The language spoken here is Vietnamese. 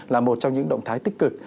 là một trong những động thái tích cực